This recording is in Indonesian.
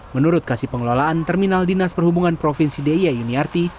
menurut kasih pengelolaan terminal dinas perhubungan provinsi dia uniarti